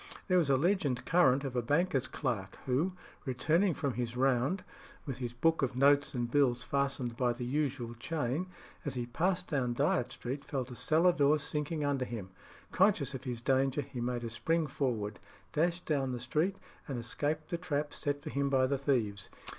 There was a legend current of a banker's clerk who, returning from his round, with his book of notes and bills fastened by the usual chain, as he passed down Dyot Street felt a cellar door sinking under him. Conscious of his danger, he made a spring forward, dashed down the street, and escaped the trap set for him by the thieves.